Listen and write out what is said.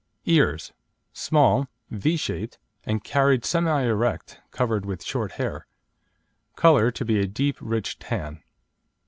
EARS Small, V shaped, and carried semi erect, covered with short hair; colour to be a deep rich tan.